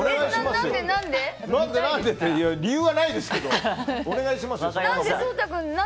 理由はないですけどお願いしますよ。